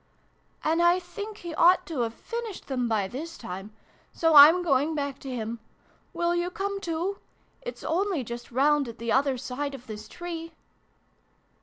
" and I think he ought to have finished them by this time. So I'm going back to him. Will you come too ? It's only just round at the other side of this tree."